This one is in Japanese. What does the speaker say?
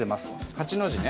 ８の字ね。